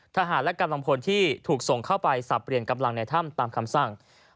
ทหารและกำลังพลที่ถูกส่งเข้าไปสับเปลี่ยนกำลังในถ้ำตามคำสั่ง